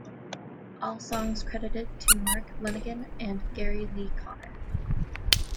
All songs credited to Mark Lanegan and Gary Lee Conner.